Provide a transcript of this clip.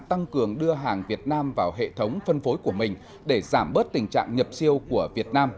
tăng cường đưa hàng việt nam vào hệ thống phân phối của mình để giảm bớt tình trạng nhập siêu của việt nam